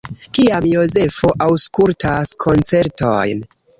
Kiam Jozefo aŭskultas koncertojn?